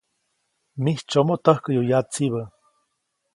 Mijtsyomoʼ täjkäyu yatsibä.